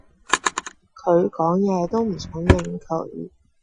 佢講野都唔想應佢